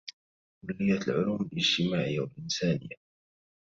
كلية العلوم الإجتماعية و الإنسانية